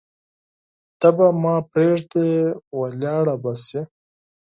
ته به ما پریږدې ولاړه به شې